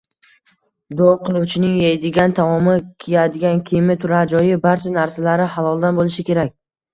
Duo qiluvchining yeydigan taomi, kiyadigan kiyimi, turarjoyi, barcha narsalari haloldan bo‘lishi kerak.